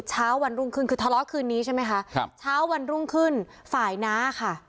เช้าวันรุ่งขึ้นคือทะเลาะคืนนี้ใช่ไหมคะครับเช้าวันรุ่งขึ้นฝ่ายน้าค่ะ